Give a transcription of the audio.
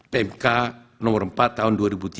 pmk nomor empat tahun dua ribu tiga